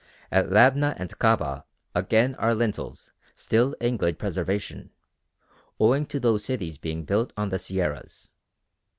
At Labna and Kabah again are lintels still in good preservation, owing to those cities being built on the sierras.